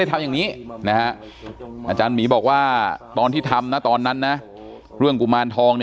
ทำอย่างนี้อาจารย์หมีบอกว่าตอนที่ทำนะตอนนั้นนะเรื่องกุมารทอง